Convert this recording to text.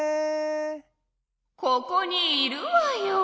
ここにいるわよ！